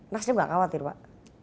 nasdem tidak khawatir pak